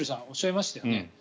おっしゃいましたよね。